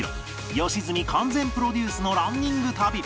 良純完全プロデュースのランニング旅